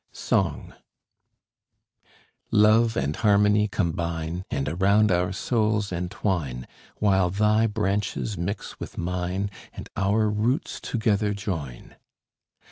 SONG Love and harmony combine And around our souls entwine, While thy branches mix with mine And our roots together join.